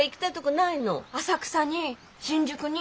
浅草に新宿に。